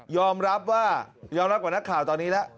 อมรับว่ายอมรับกว่านักข่าวตอนนี้แล้ว